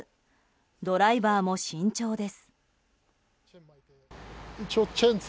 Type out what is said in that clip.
ドライバーも慎重です。